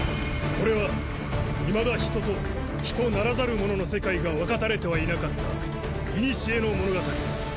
これはいまだ人と人ならざるものの世界が分かたれてはいなかった古の物語